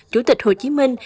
chủ tịch hồ chí minh